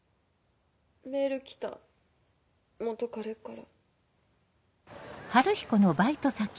メール来た元カレから。